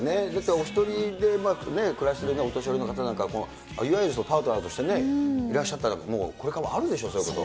お１人でね、暮らしてるお年寄りの方なんかは、いわゆるパートナーとしてね、いらっしゃったら、もう、これからもあるでしょ、そういうこと。